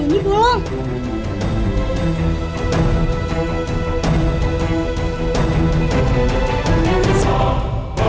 tidak ada yang bisa dipercaya